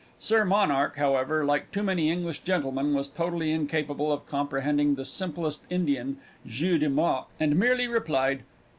Sir Monarch, however, like too many English gentlemen, was totally incapable of comprehending the simplest Indian jeu des mots, and merely replied.